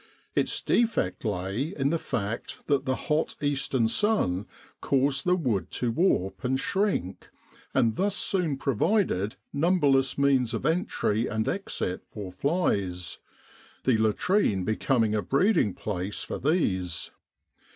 Its defect lay in the fact that the hot eastern sun caused the wood to warp and shrink, and thus soon provided numberless means of entry and exit for flies, the latrine becoming a breeding place for these.